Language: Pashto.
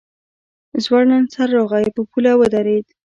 ځوړند سر راغی په پوله ودرېد.